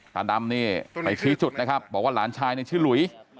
ตาดำนี่ไปชี้จุดนะครับบอกว่าหลานชายในชื่อหลุย